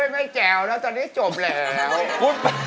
ไม่แจ๋วแล้วตอนนี้จบแล้ว